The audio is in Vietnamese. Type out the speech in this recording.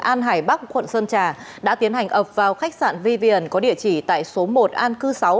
an hải bắc quận sơn trà đã tiến hành ập vào khách sạn vivian có địa chỉ tại số một an cư sáu